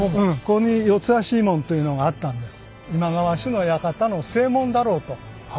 ここに四足門というのがあったんです。